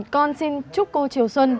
con xin chúc cô triều xuân